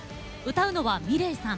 歌うのはｍｉｌｅｔさん。